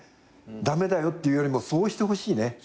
駄目だよっていうよりもそうしてほしいね。